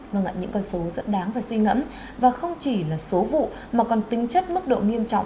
vâng ạ những con số rất đáng và suy ngẫm và không chỉ là số vụ mà còn tính chất mức độ nghiêm trọng